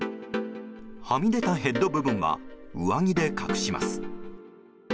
はみ出たヘッド部分は上着で隠します。